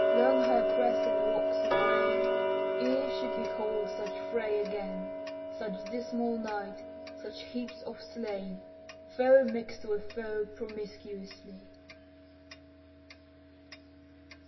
long her crescent wax and wane Ere she behold such fray again, Such dismal night, such heaps of slain, Foe mix'd with foe promiscuously.